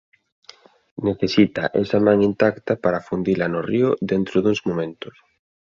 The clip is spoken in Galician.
Necesita esa man intacta para afundila no río dentro duns momentos.